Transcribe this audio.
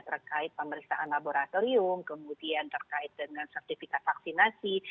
terkait pemeriksaan laboratorium kemudian terkait dengan sertifikat vaksinasi